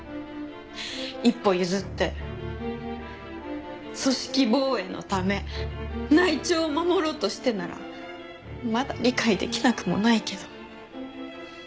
一歩譲って組織防衛のため内調を守ろうとしてならまだ理解できなくもないけど。